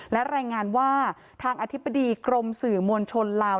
และรายงานว่าทางอธิบดีกรมสื่อมวลชนลาว